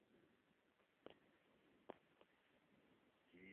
Kulingana na takwimu za Januari ishirini ishirini na mbili kutoka Benki Kuu ya Uganda